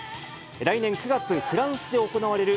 来年９月、フランスで行われる、